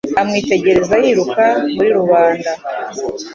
Amwitegereza yiruka muri rubanda.